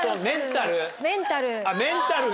メンタルが？